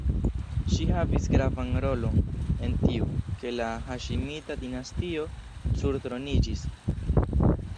Ŝi havis gravan rolon en tiu, ke la Haŝimita-dinastio surtroniĝis.